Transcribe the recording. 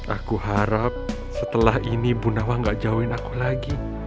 aku harap setelah ini bu nawa gak jauhin aku lagi